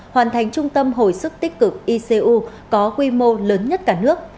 hoàn thành trung tâm hồi sức tích cực icu có quy mô lớn nhất cả nước